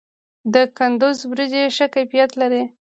د کندز وریجې څه کیفیت لري؟